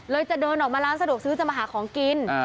จะเดินออกมาร้านสะดวกซื้อจะมาหาของกิน